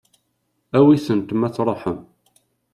Awit-tent ma tṛuḥem.